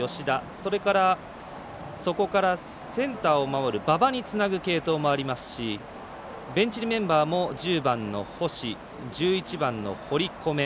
それからそこからセンターを守る馬場につなぐ継投もありますしベンチ入りメンバーも１０番の星１１番の堀米。